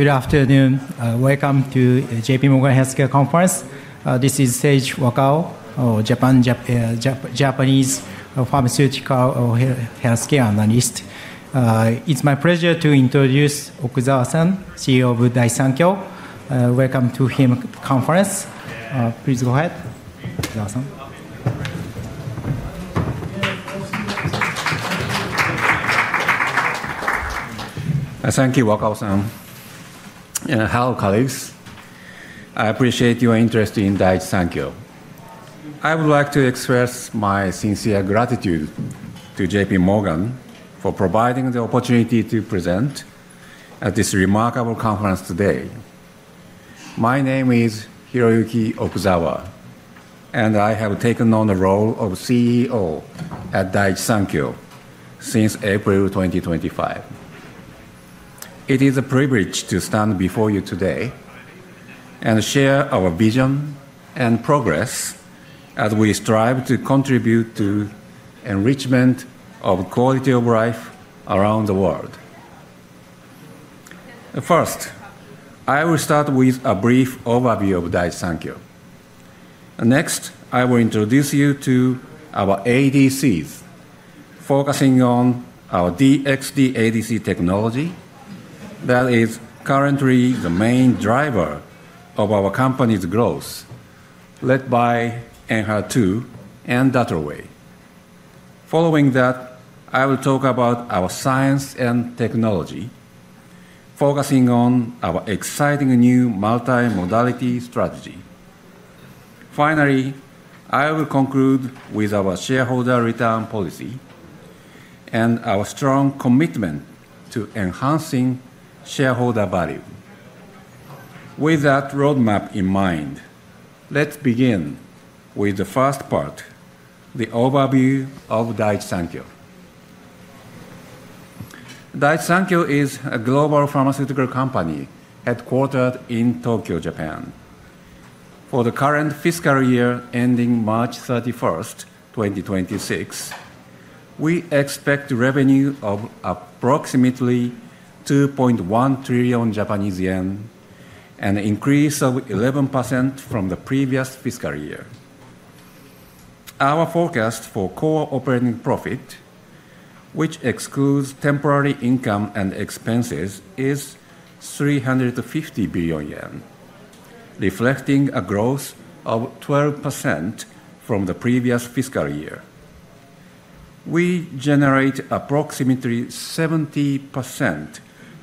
Good afternoon. Welcome to JPMorgan Healthcare Conference. This is Seiji Wakao, Japanese pharmaceutical healthcare analyst. It's my pleasure to introduce Okuzawa-san, CEO of Daiichi Sankyo. Welcome to him at the conference. Please go ahead, Okuzawa-san. Thank you, Wakao-san. Hello, colleagues. I appreciate your interest in Daiichi Sankyo. I would like to express my sincere gratitude to JPMorgan for providing the opportunity to present at this remarkable conference today. My name is Hiroyuki Okuzawa, and I have taken on the role of CEO at Daiichi Sankyo since April 2025. It is a privilege to stand before you today and share our vision and progress as we strive to contribute to the enrichment of quality of life around the world. First, I will start with a brief overview of Daiichi Sankyo. Next, I will introduce you to our ADCs, focusing on our DXd ADC technology that is currently the main driver of our company's growth, led by ENHERTU and DATROWAY. Following that, I will talk about our science and technology, focusing on our exciting new multimodality strategy. Finally, I will conclude with our shareholder return policy and our strong commitment to enhancing shareholder value. With that roadmap in mind, let's begin with the first part, the overview of Daiichi Sankyo. Daiichi Sankyo is a global pharmaceutical company headquartered in Tokyo, Japan. For the current fiscal year ending March 31st, 2026, we expect revenue of approximately 2.1 trillion Japanese yen and an increase of 11% from the previous fiscal year. Our forecast for core operating profit, which excludes temporary income and expenses, is 350 billion yen, reflecting a growth of 12% from the previous fiscal year. We generate approximately 70%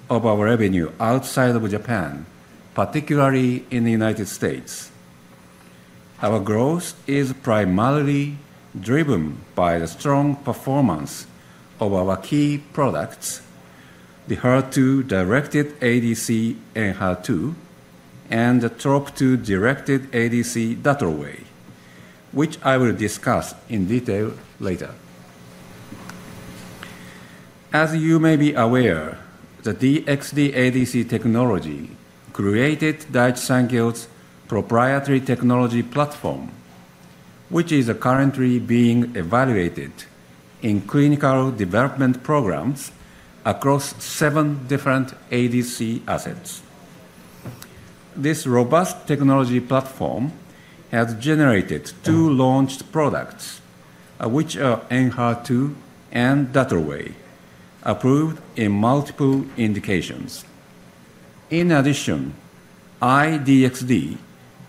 of our revenue outside of Japan, particularly in the United States. Our growth is primarily driven by the strong performance of our key products, the HER2-directed ADC ENHERTU and the TROP2-directed ADC DATROWAY, which I will discuss in detail later. As you may be aware, the DXd ADC technology created Daiichi Sankyo's proprietary technology platform, which is currently being evaluated in clinical development programs across seven different ADC assets. This robust technology platform has generated two launched products, which are ENHERTU and DATROWAY, approved in multiple indications. In addition, I-DXd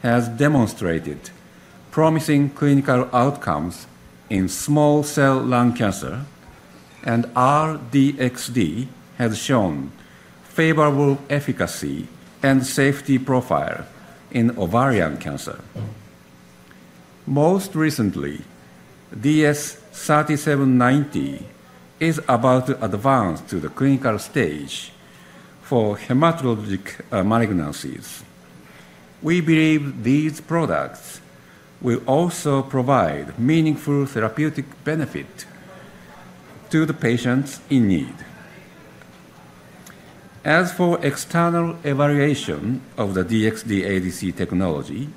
has demonstrated promising clinical outcomes in small cell lung cancer, and R-DXd has shown favorable efficacy and safety profile in ovarian cancer. Most recently, DS3790 is about to advance to the clinical stage for hematologic malignancies. We believe these products will also provide meaningful therapeutic benefit to the patients in need. As for external evaluation of the DXd ADC technology,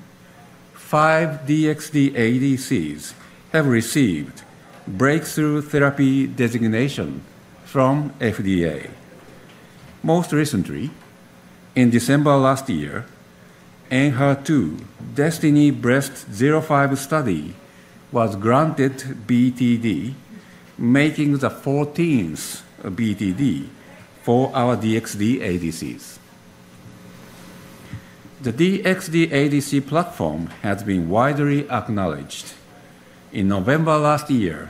five DXd ADCs have received breakthrough therapy designation from FDA. Most recently, in December last year, ENHERTU DESTINY-Breast05 study was granted BTD, making the 14th BTD for our DXd ADCs. The DXd ADC platform has been widely acknowledged. In November last year,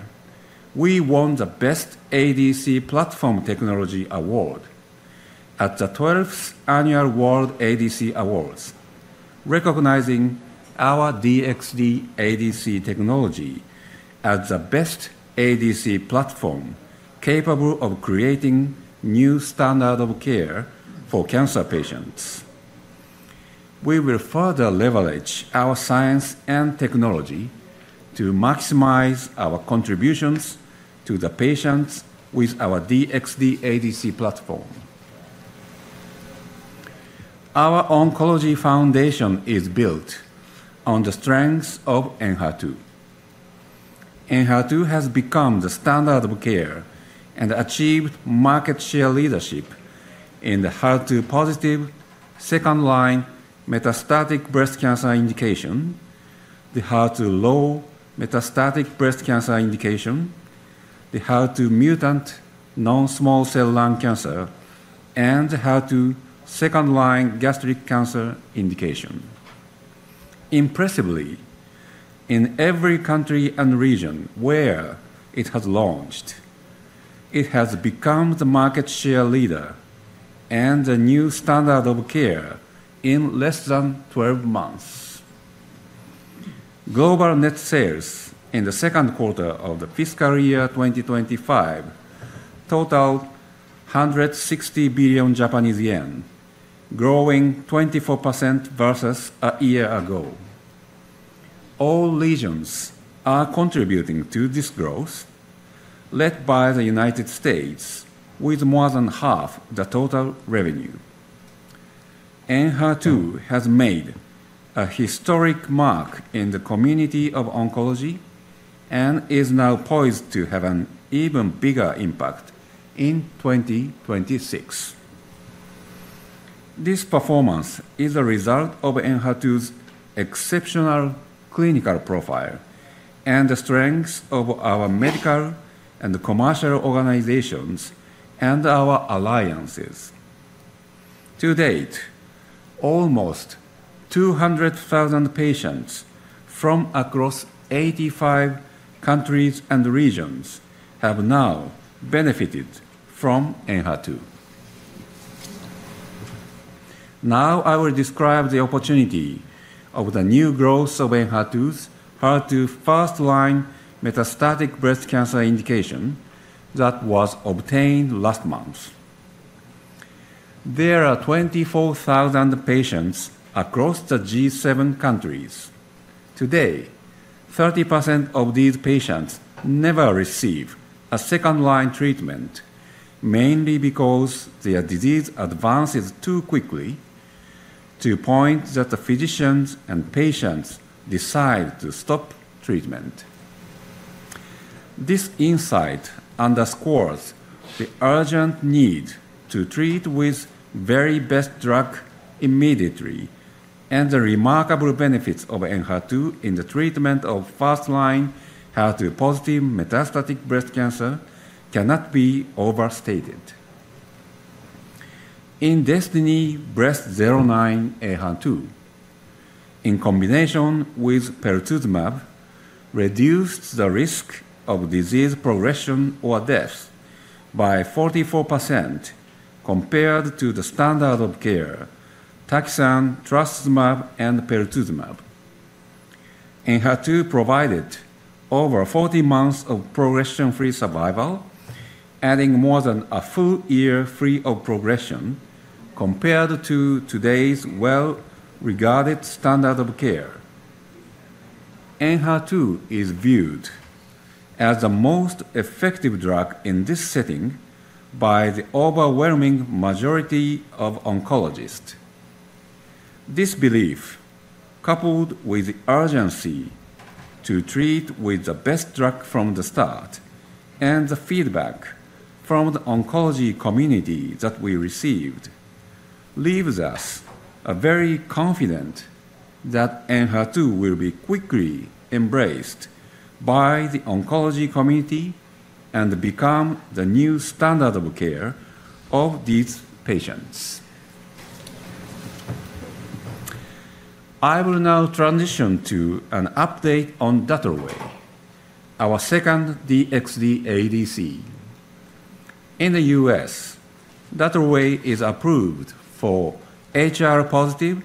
we won the Best ADC Platform Technology Award at the 12th Annual World ADC Awards, recognizing our DXd ADC technology as the best ADC platform capable of creating new standards of care for cancer patients. We will further leverage our science and technology to maximize our contributions to the patients with our DXd ADC platform. Our oncology foundation is built on the strengths of ENHERTU. ENHERTU has become the standard of care and achieved market share leadership in the HER2-positive second-line metastatic breast cancer indication, the HER2-low metastatic breast cancer indication, the HER2-mutant non-small cell lung cancer, and the HER2 second-line gastric cancer indication. Impressively, in every country and region where it has launched, it has become the market share leader and the new standard of care in less than 12 months. Global net sales in the second quarter of the fiscal year 2025 totaled 160 billion Japanese yen, growing 24% versus a year ago. All regions are contributing to this growth, led by the United States, with more than half the total revenue. ENHERTU has made a historic mark in the community of oncology and is now poised to have an even bigger impact in 2026. This performance is a result of ENHERTU's exceptional clinical profile and the strengths of our medical and commercial organizations and our alliances. To date, almost 200,000 patients from across 85 countries and regions have now benefited from ENHERTU. Now, I will describe the opportunity of the new growth of ENHERTU's HER2 first-line metastatic breast cancer indication that was obtained last month. There are 24,000 patients across the G7 countries. Today, 30% of these patients never receive a second-line treatment, mainly because their disease advances too quickly, to the point that the physicians and patients decide to stop treatment. This insight underscores the urgent need to treat with the very best drug immediately, and the remarkable benefits of ENHERTU in the treatment of first-line HER2-positive metastatic breast cancer cannot be overstated. In DESTINY-Breast09, ENHERTU, in combination with pertuzumab, reduced the risk of disease progression or death by 44% compared to the standard of care taxane, trastuzumab, and pertuzumab. ENHERTU provided over 40 months of progression-free survival, adding more than a full year free of progression compared to today's well-regarded standard of care. ENHERTU is viewed as the most effective drug in this setting by the overwhelming majority of oncologists. This belief, coupled with the urgency to treat with the best drug from the start and the feedback from the oncology community that we received, leaves us very confident that ENHERTU will be quickly embraced by the oncology community and become the new standard of care for these patients. I will now transition to an update on DATROWAY, our second DXd ADC. In the U.S., DATROWAY is approved for HR-positive,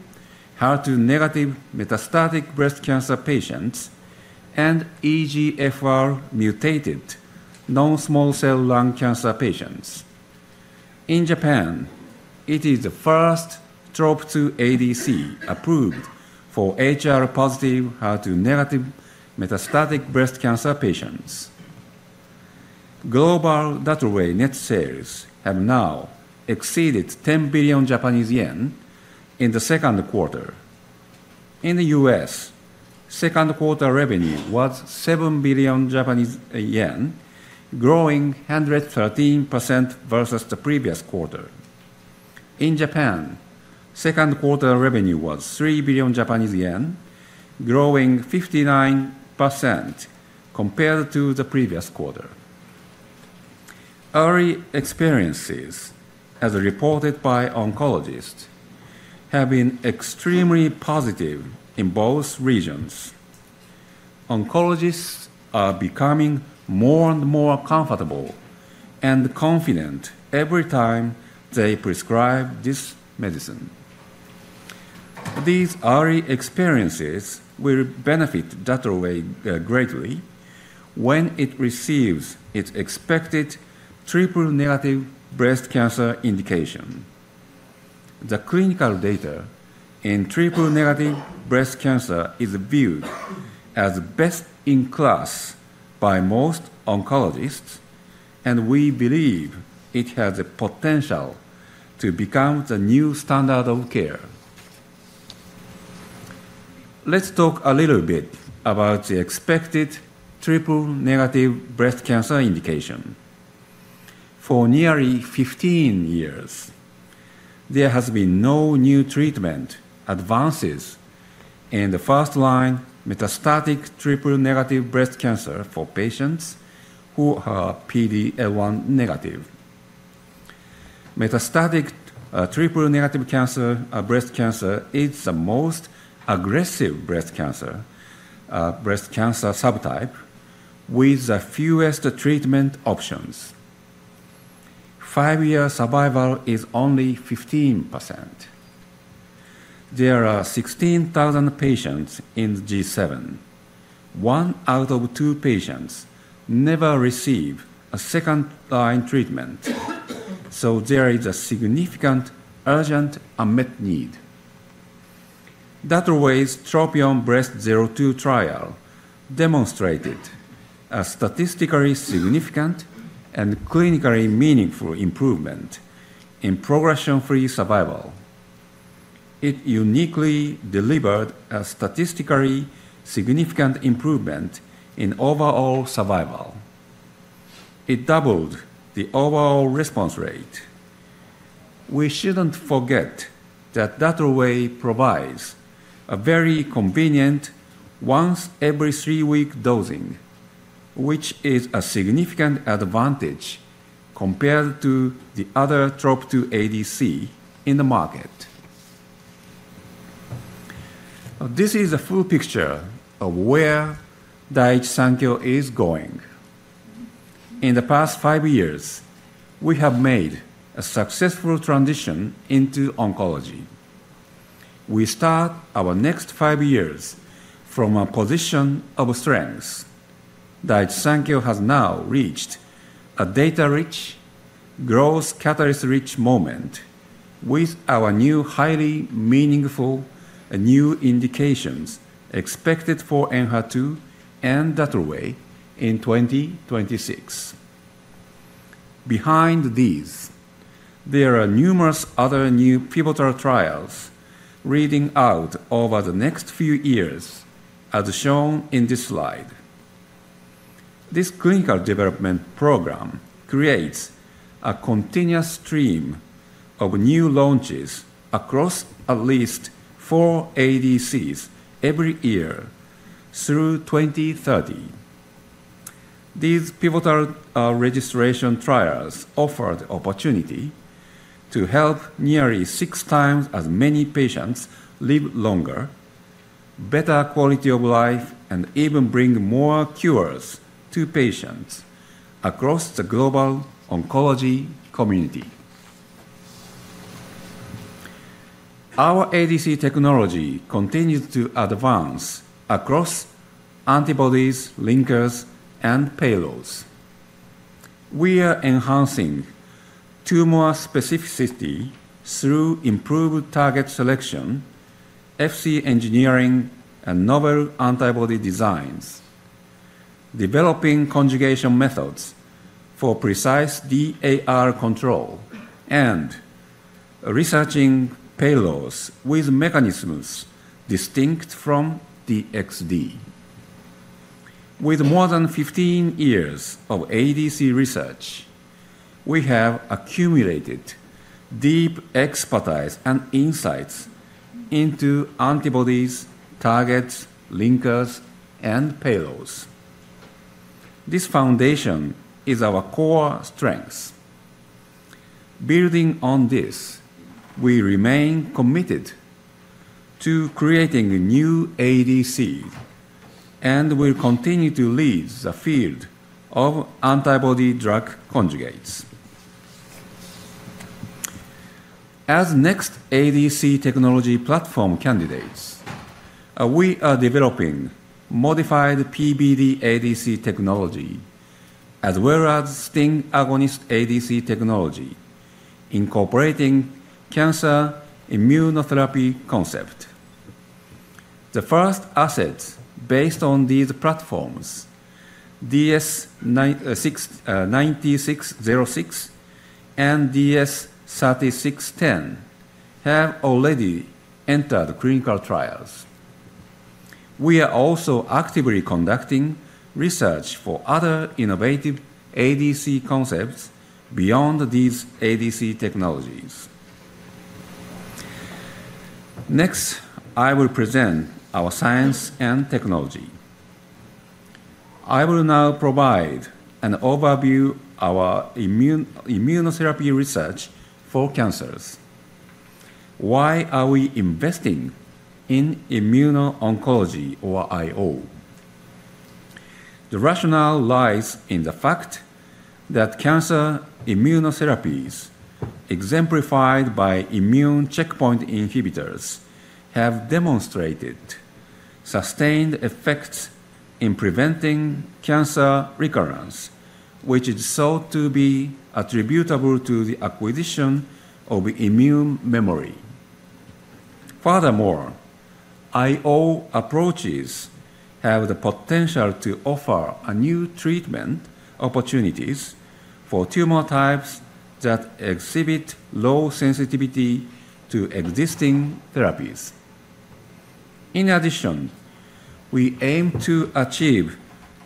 HER2-negative metastatic breast cancer patients and EGFR-mutated non-small cell lung cancer patients. In Japan, it is the first TROP2 ADC approved for HR-positive, HER2-negative metastatic breast cancer patients. Global DATROWAY net sales have now exceeded 10 billion Japanese yen in the second quarter. In the U.S., second-quarter revenue was JPY 7 billion, growing 113% versus the previous quarter. In Japan, second-quarter revenue was 3 billion Japanese yen, growing 59% compared to the previous quarter. Early experiences, as reported by oncologists, have been extremely positive in both regions. Oncologists are becoming more and more comfortable and confident every time they prescribe this medicine. These early experiences will benefit DATROWAY greatly when it receives its expected triple-negative breast cancer indication. The clinical data in triple-negative breast cancer is viewed as best in class by most oncologists, and we believe it has the potential to become the new standard of care. Let's talk a little bit about the expected triple-negative breast cancer indication. For nearly 15 years, there has been no new treatment advances in the first-line metastatic triple-negative breast cancer for patients who are PD-L1 negative. Metastatic triple-negative breast cancer is the most aggressive breast cancer subtype with the fewest treatment options. Five-year survival is only 15%. There are 16,000 patients in G7. One out of two patients never receives a second-line treatment, so there is a significant urgent unmet need. DATROWAY's TROPION-Breast02 trial demonstrated a statistically significant and clinically meaningful improvement in progression-free survival. It uniquely delivered a statistically significant improvement in overall survival. It doubled the overall response rate. We shouldn't forget that DATROWAY provides a very convenient once-every-three-week dosing, which is a significant advantage compared to the other TROP2 ADC in the market. This is a full picture of where Daiichi Sankyo is going. In the past five years, we have made a successful transition into oncology. We start our next five years from a position of strength. Daiichi Sankyo has now reached a data-rich, growth catalyst-rich moment with our new highly meaningful new indications expected for ENHERTU and DATROWAY in 2026. Behind these, there are numerous other new pivotal trials reading out over the next few years, as shown in this slide. This clinical development program creates a continuous stream of new launches across at least four ADCs every year through 2030. These pivotal registration trials offer the opportunity to help nearly six times as many patients live longer, better quality of life, and even bring more cures to patients across the global oncology community. Our ADC technology continues to advance across antibodies, linkers, and payloads. We are enhancing tumor specificity through improved target selection, FC engineering, and novel antibody designs, developing conjugation methods for precise DAR control, and researching payloads with mechanisms distinct from DXd. With more than 15 years of ADC research, we have accumulated deep expertise and insights into antibodies, targets, linkers, and payloads. This foundation is our core strength. Building on this, we remain committed to creating a new ADC and will continue to lead the field of antibody drug conjugates. As next ADC technology platform candidates, we are developing modified PBD ADC technology as well as STING agonist ADC technology, incorporating cancer immunotherapy concepts. The first assets based on these platforms, DS-9606 and DS-3610, have already entered clinical trials. We are also actively conducting research for other innovative ADC concepts beyond these ADC technologies. Next, I will present our science and technology. I will now provide an overview of our immunotherapy research for cancers. Why are we investing in immuno-oncology, or IO? The rationale lies in the fact that cancer immunotherapies, exemplified by immune checkpoint inhibitors, have demonstrated sustained effects in preventing cancer recurrence, which is thought to be attributable to the acquisition of immune memory. Furthermore, IO approaches have the potential to offer new treatment opportunities for tumor types that exhibit low sensitivity to existing therapies. In addition, we aim to achieve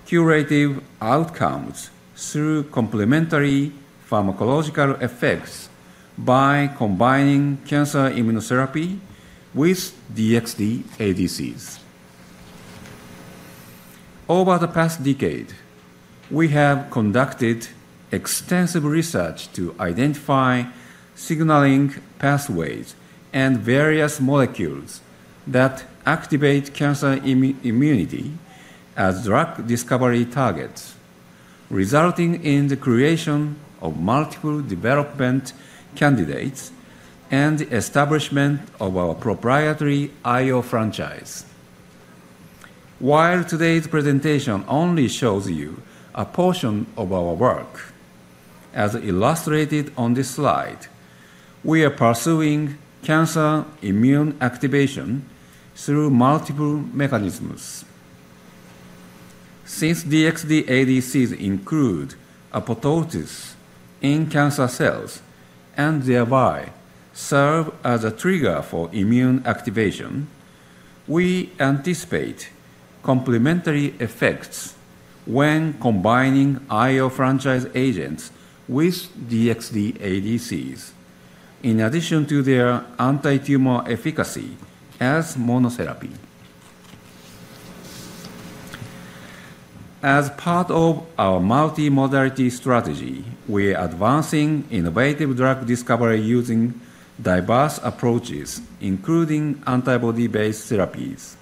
curative outcomes through complementary pharmacological effects by combining cancer immunotherapy with DXd ADCs. Over the past decade, we have conducted extensive research to identify signaling pathways and various molecules that activate cancer immunity as drug discovery targets, resulting in the creation of multiple development candidates and the establishment of our proprietary IO franchise. While today's presentation only shows you a portion of our work, as illustrated on this slide, we are pursuing cancer immune activation through multiple mechanisms. Since DXd ADCs include apoptosis in cancer cells and thereby serve as a trigger for immune activation, we anticipate complementary effects when combining IO franchise agents with DXd ADCs, in addition to their anti-tumor efficacy as monotherapy. As part of our multimodality strategy, we are advancing innovative drug discovery using diverse approaches, including antibody-based therapies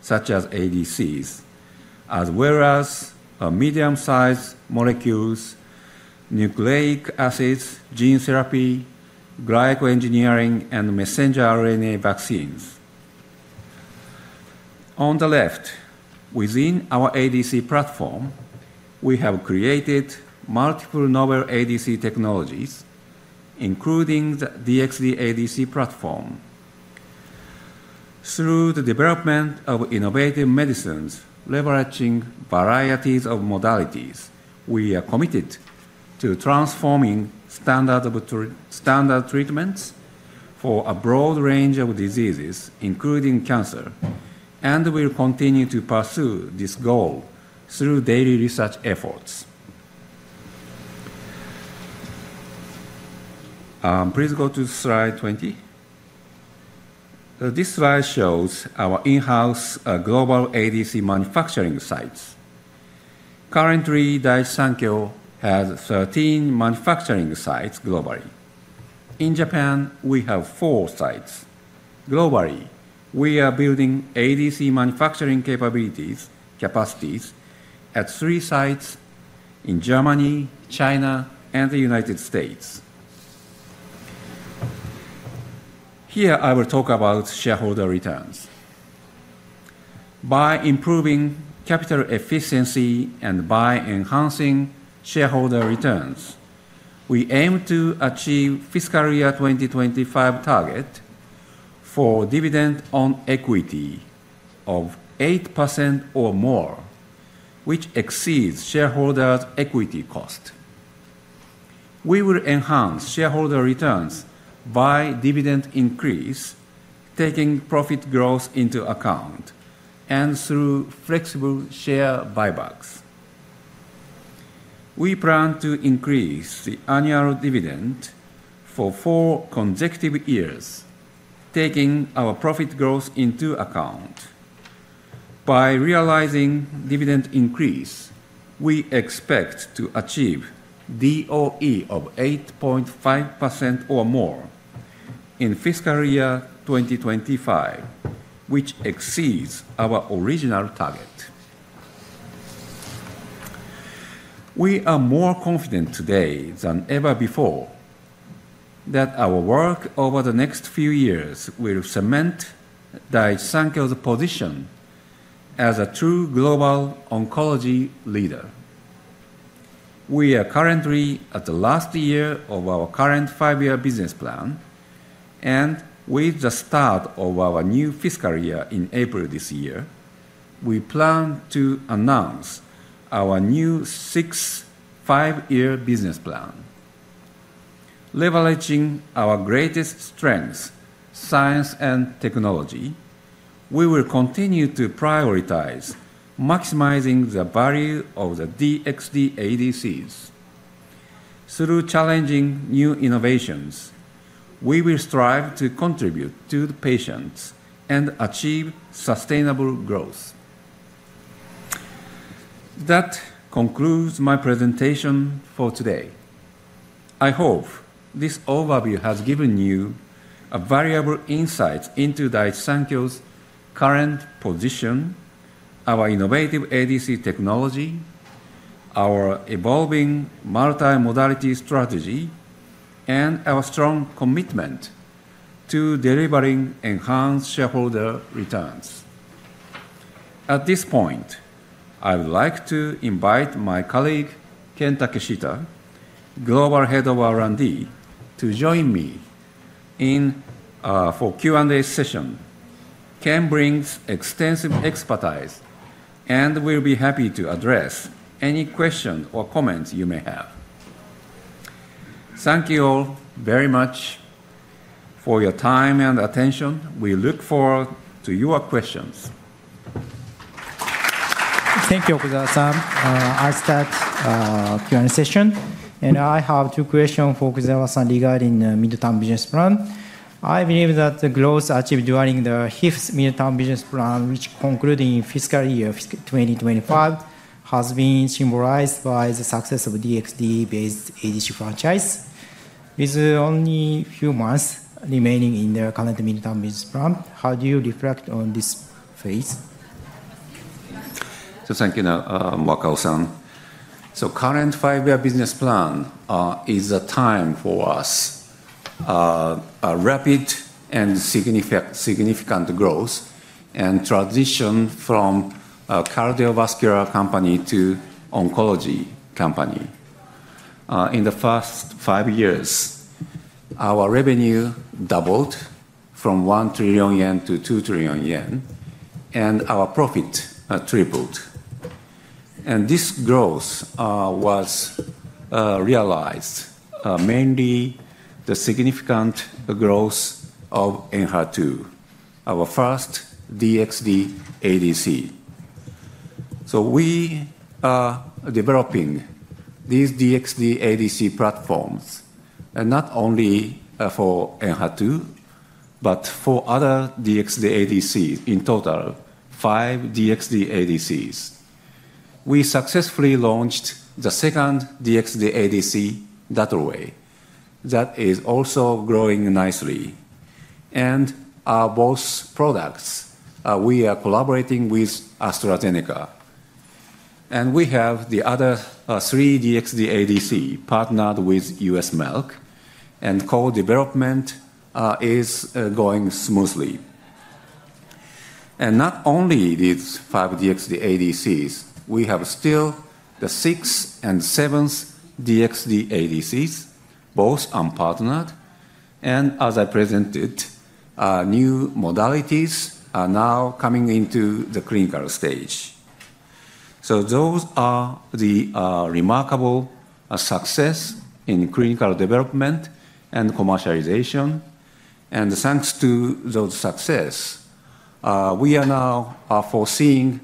such as ADCs, as well as medium-sized molecules, nucleic acids, gene therapy, glycoengineering, and messenger RNA vaccines. On the left, within our ADC platform, we have created multiple novel ADC technologies, including the DXd ADC platform. Through the development of innovative medicines leveraging varieties of modalities, we are committed to transforming standard treatments for a broad range of diseases, including cancer, and we will continue to pursue this goal through daily research efforts. Please go to slide 20. This slide shows our in-house global ADC manufacturing sites. Currently, Daiichi Sankyo has 13 manufacturing sites globally. In Japan, we have four sites. Globally, we are building ADC manufacturing capabilities at three sites in Germany, China, and the United States. Here, I will talk about shareholder returns. By improving capital efficiency and by enhancing shareholder returns, we aim to achieve fiscal year 2025 target for dividend on equity of eight percent or more, which exceeds shareholders' equity cost. We will enhance shareholder returns by dividend increase, taking profit growth into account, and through flexible share buybacks. We plan to increase the annual dividend for four consecutive years, taking our profit growth into account. By realizing dividend increase, we expect to achieve DOE of 8.5% or more in fiscal year 2025, which exceeds our original target. We are more confident today than ever before that our work over the next few years will cement Daiichi Sankyo's position as a true global oncology leader. We are currently at the last year of our current five-year business plan, and with the start of our new fiscal year in April this year, we plan to announce our new five-year business plan. Leveraging our greatest strengths, science and technology, we will continue to prioritize maximizing the value of the DXd ADCs. Through challenging new innovations, we will strive to contribute to the patients and achieve sustainable growth. That concludes my presentation for today. I hope this overview has given you a valuable insight into Daiichi Sankyo's current position, our innovative ADC technology, our evolving multimodality strategy, and our strong commitment to delivering enhanced shareholder returns. At this point, I would like to invite my colleague, Ken Takeshita, Global Head of R&D, to join me for a Q&A session. Ken brings extensive expertise, and we'll be happy to address any questions or comments you may have. Thank you all very much for your time and attention. We look forward to your questions. Thank you, Okuzawa-san, our Q&A session. And I have two questions for Okuzawa-san regarding the Mid-term Business Plan. I believe that the growth achieved during the 5th Mid-term Business Plan, which concluded in fiscal year 2025, has been symbolized by the success of the DXd-based ADC franchise. With only a few months remaining in the current Mid-term Business Plan, how do you reflect on this phase? Thank you, Wakao-san. So the current five-year business plan is a time for us, a rapid and significant growth and transition from a cardiovascular company to an oncology company. In the first five years, our revenue doubled from 1 trillion-2 trillion yen, and our profit tripled. And this growth was realized mainly by the significant growth of ENHERTU, our first DXd ADC. So we are developing these DXd ADC platforms not only for ENHERTU, but for other DXd ADCs, in total, five DXd ADCs. We successfully launched the second DXd ADC, DATROWAY, that is also growing nicely. Our both products, we are collaborating with AstraZeneca. We have the other three DXd ADCs partnered with U.S. Merck, and co-development is going smoothly. Not only these five DXd ADCs, we have still the sixth and seventh DXd ADCs, both unpartnered. As I presented, new modalities are now coming into the clinical stage. Those are the remarkable successes in clinical development and commercialization. Thanks to those successes, we are now foreseeing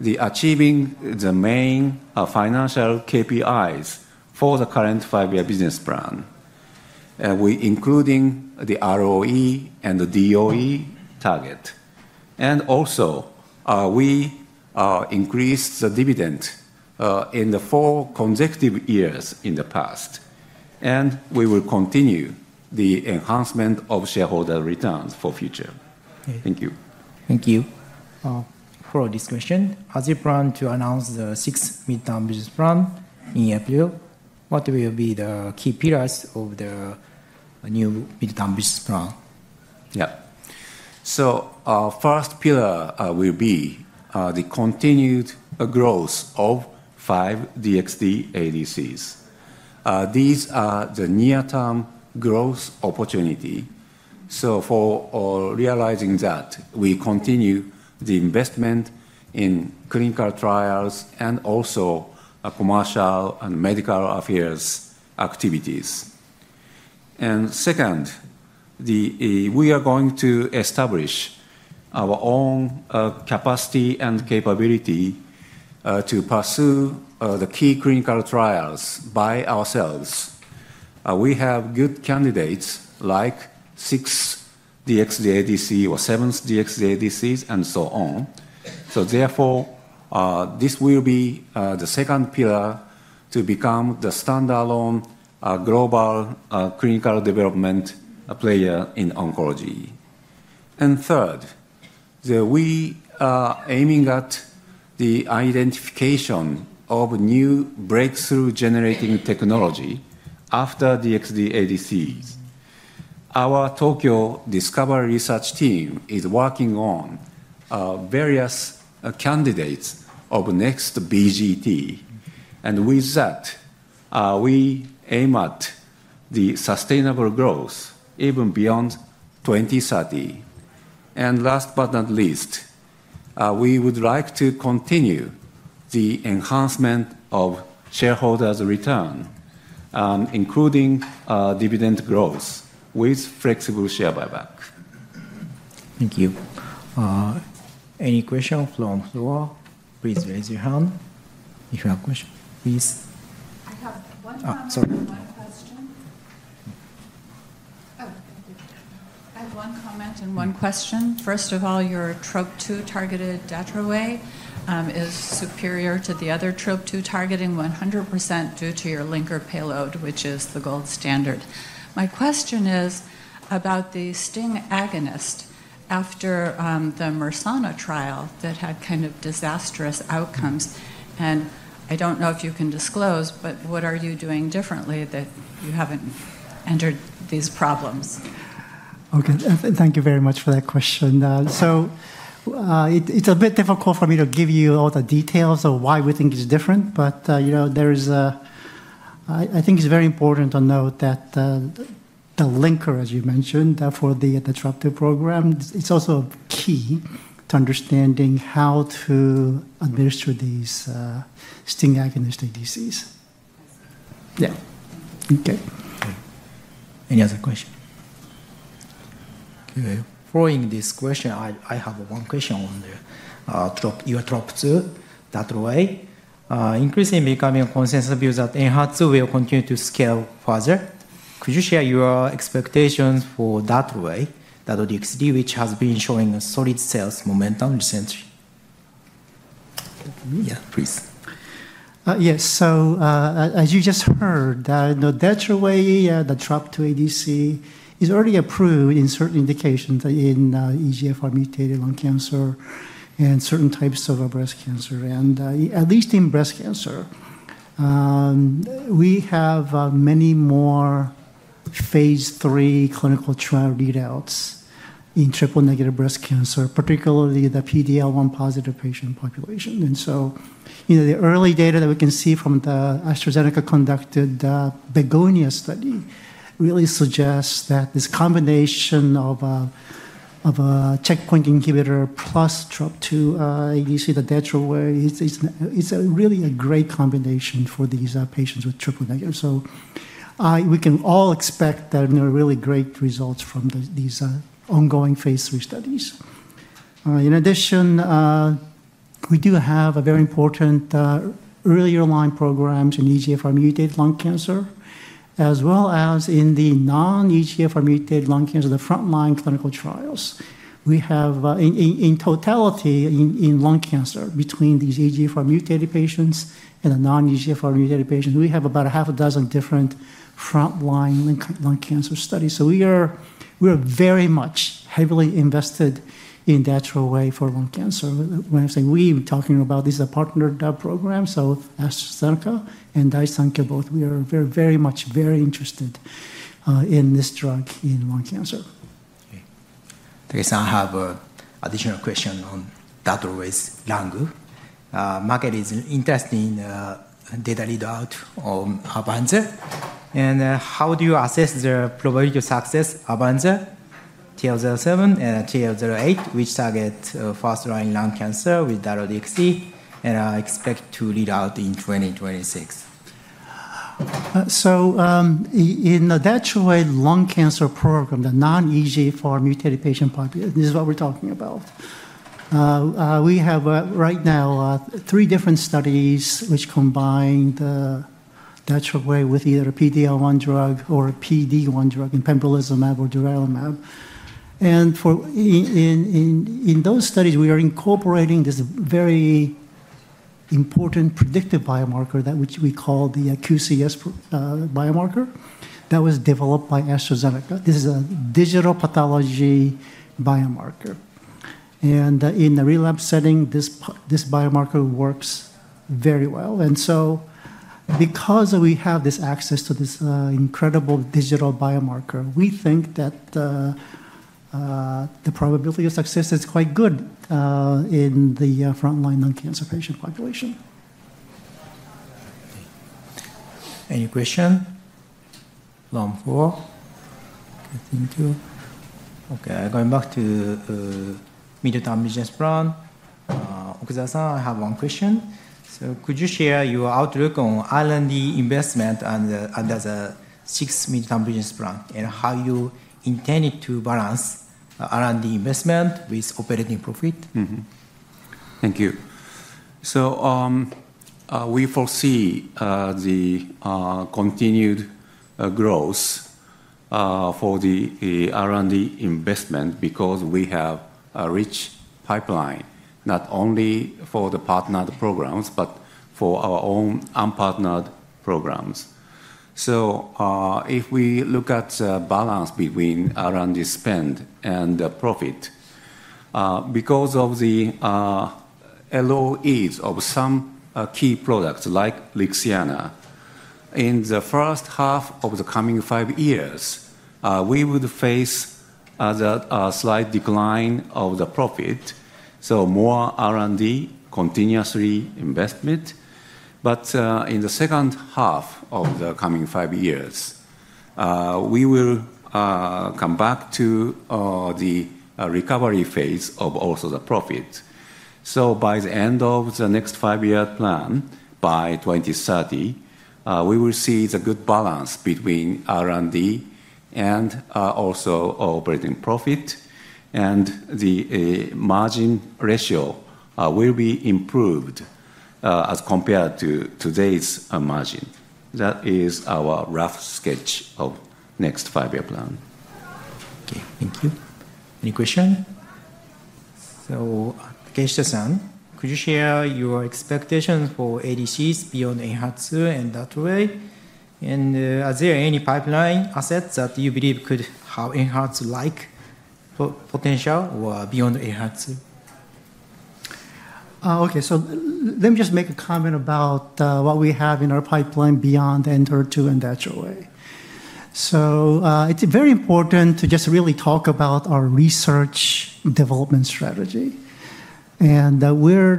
achieving the main financial KPIs for the current five-year business plan, including the ROE and the DOE target. Also, we increased the dividend in the four consecutive years in the past, and we will continue the enhancement of shareholder returns for the future. Thank you. Thank you for this question. As you plan to announce the sixth Mid-term Business Plan in April, what will be the key pillars of the new Mid-term Business Plan? Yeah. So our first pillar will be the continued growth of five DXd ADCs. These are the near-term growth opportunities. So for realizing that, we continue the investment in clinical trials and also commercial and medical affairs activities. And second, we are going to establish our own capacity and capability to pursue the key clinical trials by ourselves. We have good candidates like sixth DXd ADC or seventh DXd ADCs and so on. So therefore, this will be the second pillar to become the standalone global clinical development player in oncology. And third, we are aiming at the identification of new breakthrough-generating technology after DXd ADCs. Our Tokyo Discover Research Team is working on various candidates of next BGT. And with that, we aim at the sustainable growth even beyond 2030. And last but not least, we would like to continue the enhancement of shareholders' return, including dividend growth with flexible share buyback. Thank you. Any questions from the floor? Please raise your hand if you have questions. Please. I have one comment. Sorry. One question. Oh, thank you. I have one comment and one question. First of all, your TROP2-targeted DATROWAY is superior to the other TROP2 targeting 100% due to your linker payload, which is the gold standard. My question is about the STING agonist after the Mersana trial that had kind of disastrous outcomes. And I don't know if you can disclose, but what are you doing differently that you haven't encountered these problems? Okay. Thank you very much for that question. It's a bit difficult for me to give you all the details of why we think it's different, but I think it's very important to note that the linker, as you mentioned, for the TROP2 program, it's also key to understanding how to administer these STING agonist ADCs. Yeah. Okay. Any other question? Okay. Following this question, I have one question on your TROP2, DATROWAY. Increasingly becoming a consensus view that ENHERTU will continue to scale further. Could you share your expectations for DATROWAY, that DXd, which has been showing solid sales momentum recently? Yeah, please. Yes. So as you just heard, the DATROWAY, the TROP2 ADC is already approved in certain indications in EGFR-mutated lung cancer and certain types of breast cancer. And at least in breast cancer, we have many more phase III clinical trial readouts in triple-negative breast cancer, particularly the PD-L1 positive patient population. And so the early data that we can see from the AstraZeneca conducted BEGONIA study really suggests that this combination of a checkpoint inhibitor plus TROP2 ADC, the DATROWAY, is really a great combination for these patients with triple-negative. So we can all expect really great results from these ongoing phase III studies. In addition, we do have very important first-line programs in EGFR-mutated lung cancer, as well as in the non-EGFR-mutated lung cancer, the frontline clinical trials. In totality, in lung cancer, between these EGFR-mutated patients and the non-EGFR-mutated patients, we have about a half a dozen different frontline lung cancer studies. So we are very much heavily invested in DATROWAY for lung cancer. When I say we, we're talking about this is a partnered program. So AstraZeneca and Daiichi Sankyo, both, we are very much very interested in this drug in lung cancer. Okay. So I have an additional question on DATROWAY's Lung01. Market is interested in data readout on AVANZAR. And how do you assess the probability of success, AVANZAR, TL07 and TL08, which target first-line lung cancer with DATROWAY DXd and are expected to readout in 2026? So in the DATROWAY lung cancer program, the non-EGFR-mutated patient population, this is what we're talking about. We have right now three different studies which combine DATROWAY with either a PD-L1 drug or a PD-1 drug, pembrolizumab or durvalumab. And in those studies, we are incorporating this very important predictive biomarker that we call the QCS biomarker that was developed by AstraZeneca. This is a digital pathology biomarker. And in the relapse setting, this biomarker works very well. And so because we have this access to this incredible digital biomarker, we think that the probability of success is quite good in the frontline lung cancer patient population. Any question? Open floor. Okay. Going back to the Mid-term Business Plan, Okuzawa-san, I have one question. So could you share your outlook on R&D investment under the sixth Mid-term Business Plan and how you intend to balance R&D investment with operating profit? Thank you. So we foresee the continued growth for the R&D investment because we have a rich pipeline, not only for the partnered programs, but for our own unpartnered programs. So if we look at the balance between R&D spend and profit, because of the LOEs of some key products like Lixiana, in the first half of the coming five years, we would face a slight decline of the profit. So more continuous R&D investment. But in the second half of the coming five years, we will come back to the recovery phase of also the profit. So by the end of the next five-year plan, by 2030, we will see the good balance between R&D and also operating profit. And the margin ratio will be improved as compared to today's margin. That is our rough sketch of the next five-year plan. Okay. Thank you. Any question? So Takeshita-san, could you share your expectations for ADCs beyond ENHERTU and DATROWAY? And are there any pipeline assets that you believe could have ENHERTU-like potential or beyond ENHERTU? Okay. So let me just make a comment about what we have in our pipeline beyond ENHERTU and DATROWAY. So it's very important to just really talk about our research development strategy. And we're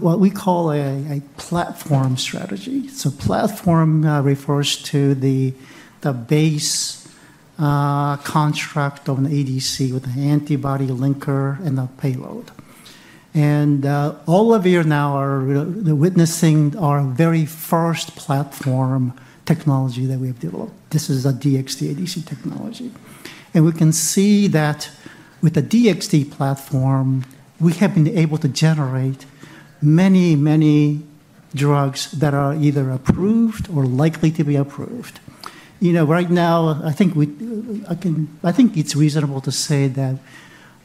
what we call a platform strategy. So platform refers to the base contract of an ADC with an antibody linker and a payload. And all of you now are witnessing our very first platform technology that we have developed. This is a DXd ADC technology. And we can see that with the DXd platform, we have been able to generate many, many drugs that are either approved or likely to be approved. Right now, I think it's reasonable to say that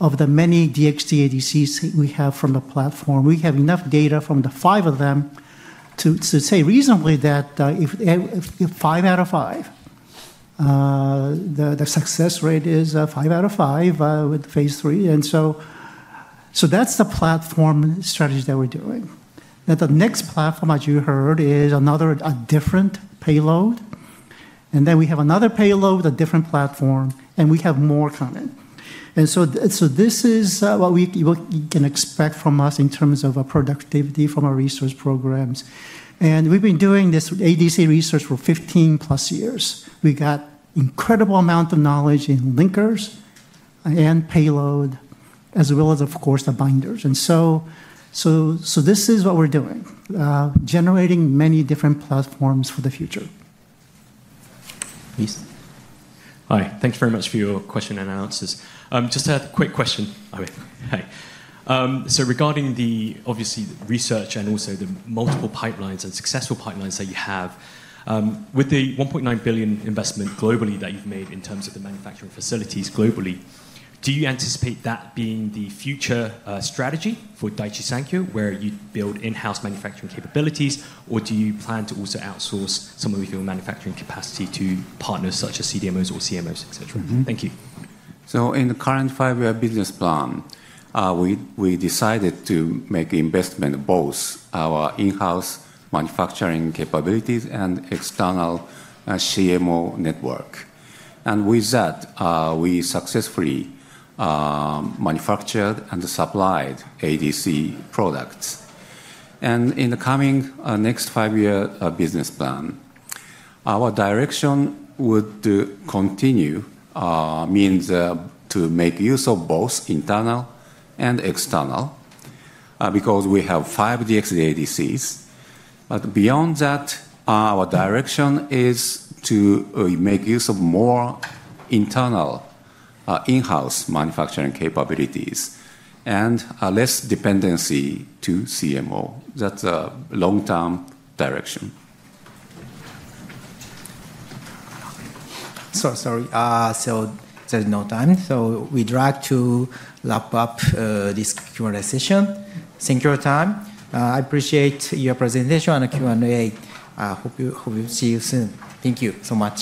of the many DXd ADCs we have from the platform, we have enough data from the five of them to say reasonably that five out of five, the success rate is five out of five with phase three. And so that's the platform strategy that we're doing. Now, the next platform, as you heard, is another different payload. And then we have another payload with a different platform, and we have more coming. And so this is what you can expect from us in terms of productivity from our research programs. And we've been doing this ADC research for 15 plus years. We got an incredible amount of knowledge in linkers and payload, as well as, of course, the binders. And so this is what we're doing, generating many different platforms for the future. Please. Hi. Thanks very much for your question and answers. Just a quick question. Hi. So regarding obviously the research and also the multiple pipelines and successful pipelines that you have, with the 1.9 billion investment globally that you've made in terms of the manufacturing facilities globally, do you anticipate that being the future strategy for Daiichi Sankyo, where you build in-house manufacturing capabilities, or do you plan to also outsource some of your manufacturing capacity to partners such as CDMOs or CMOs, etc.? Thank you. So, in the current five-year business plan, we decided to make investment in both our in-house manufacturing capabilities and external CMO network. And with that, we successfully manufactured and supplied ADC products. And in the coming next five-year business plan, our direction would continue to make use of both internal and external because we have five DXd ADCs. But beyond that, our direction is to make use of more internal in-house manufacturing capabilities and less dependency to CMO. That's a long-term direction. So, sorry. So there's no time. So we'd like to wrap up this Q&A session. Thank you for your time. I appreciate your presentation and the Q&A. Hope we'll see you soon. Thank you so much.